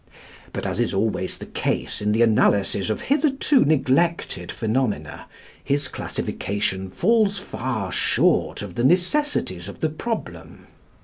But, as is always the case in the analysis of hitherto neglected phenomena, his classification falls far short of the necessities of the problem.